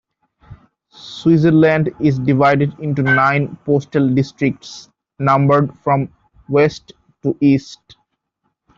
Switzerland is divided into nine postal districts, numbered from west to east.